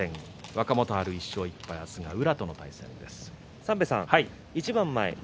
若元春は１勝１敗で明日は宇良との対戦です。